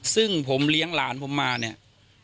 ซึ่งผมเลี้ยงหลานผมมาเนี่ย